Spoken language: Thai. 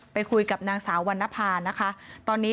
ไปคุยกับนางสาววรรณภานะคะตอนนี้